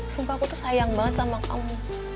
sumpah aku tuh sayang banget sama kamu